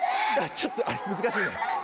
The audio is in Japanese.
ちょっと難しいね。